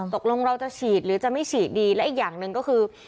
ตกลงเราจะฉีดหรือจะไม่ฉีดดีและอีกอย่างหนึ่งก็คือ